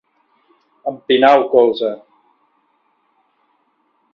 Empinar el colze.